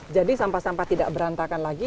jadi sampah sampah tidak berantakan lagi